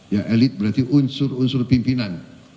ya elit berarti unsur unsur pimpinan